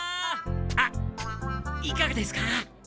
あっいかがですか？